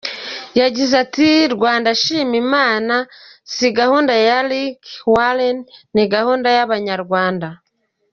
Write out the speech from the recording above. Yagize ati “Rwanda shima Imana si gahunda ya Rick Warren ni gahunda y’abanyarwanda.